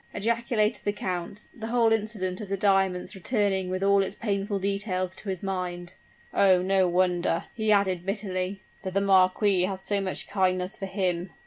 ejaculated the count, the whole incident of the diamonds returning with all its painful details to his mind. "Oh! no wonder," he added, bitterly, "that the marquis has so much kindness for him!